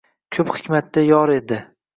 Ko’p hikmatga yor edi.